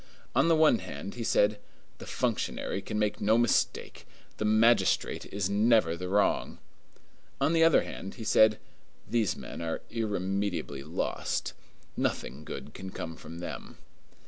On the one hand, he said, "The functionary can make no mistake; the magistrate is never the wrong." On the other hand, he said, "These men are irremediably lost. Nothing good can come from them."